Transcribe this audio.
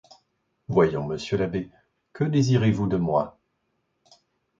Voyons, monsieur l'abbé, que désirez-vous de moi?